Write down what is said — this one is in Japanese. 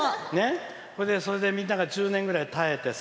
それで、みんなが１０年ぐらい耐えてさ